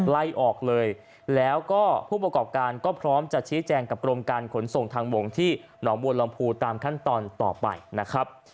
ไล่ออกเลยแล้วก็ผู้ประกอบการก็พร้อมจะชี้แจงกับกรมการขนส่งทางบงที่หนองบัวลำพูตามขั้นตอนต่อไปนะครับ